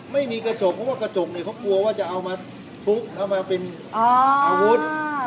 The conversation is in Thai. ไม่มีกระจกเพราะว่ากระจกเนี่ยเขากลัวว่าจะเอามาพลุกเอามาเป็นอาวุธ